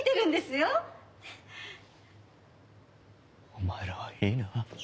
お前らはいいな。